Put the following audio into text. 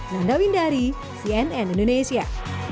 nanda windari cnn indonesia